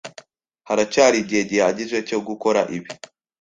Haracyari igihe gihagije cyo gukora ibi.